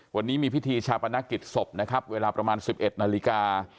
วันนี้มีพิธีชาปนกิจศพนะครับเวลาประมาณ๑๑นาฬิกา